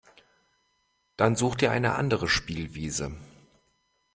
Dann such dir eine andere Spielwiese.